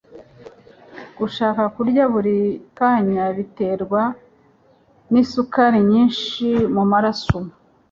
Gushaka kunyara buri kanya biterwa n'isukari nyinshi mu maraso